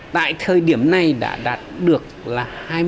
tại thời điểm này đã đạt được là hai mươi